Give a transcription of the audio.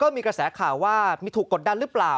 มีกระแสข่าวว่ามีถูกกดดันหรือเปล่า